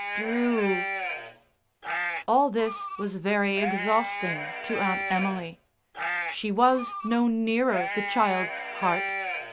'" "Drew." All this was very exhausting to Aunt Emily. She was no nearer the child's heart....